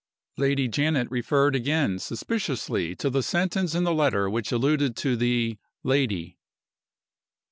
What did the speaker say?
Lady Janet referred again suspiciously to the sentence in the letter which alluded to the "lady."